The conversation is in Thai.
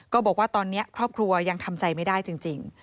บอกว่าตอนนี้ครอบครัวยังทำใจไม่ได้จริง